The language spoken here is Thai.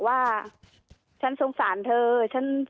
เจ้าหน้าที่แรงงานของไต้หวันบอก